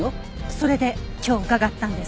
それで今日伺ったんです。